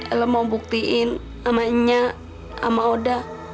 ela mau buktiin sama nya sama oda